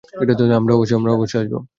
আমরা অবশ্যই আসব।